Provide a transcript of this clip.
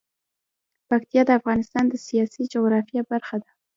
پکتیا د افغانستان د سیاسي جغرافیه برخه ده.